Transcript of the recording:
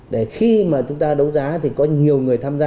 để khi mà chúng ta đấu giá thì có nhiều người tham gia